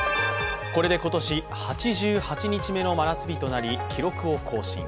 これで今年８８日目の真夏日となり、記録を更新。